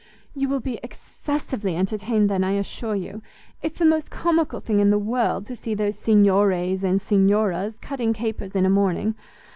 "You will be excessively entertained, then, I assure you. It's the most comical thing in the world to see those signores and signoras cutting capers in a morning.